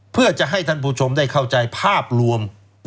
เพื่อจะให้ท่านผู้ชมได้เข้าใจภาพรวม